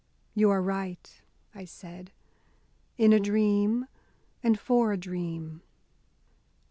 "You are right," I said, "in a dream, and for a dream."